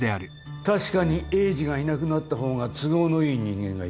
確かに栄治がいなくなった方が都合のいい人間がいた。